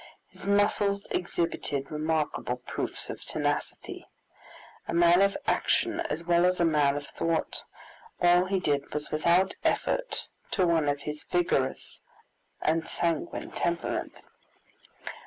His muscles exhibited remarkable proofs of tenacity. A man of action as well as a man of thought, all he did was without effort to one of his vigorous and sanguine temperament.